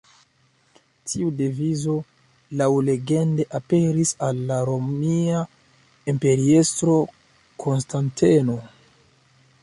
Tiu devizo laŭlegende aperis al la romia imperiestro Konstanteno.